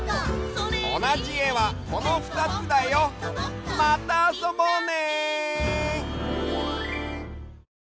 おなじえはこのふたつだよ。またあそぼうね！